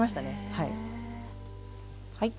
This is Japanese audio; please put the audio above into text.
はい。